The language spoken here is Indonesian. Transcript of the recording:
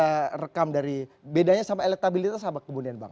bagaimana kita bisa rekam dari bedanya sama elektabilitas sama kemudian bang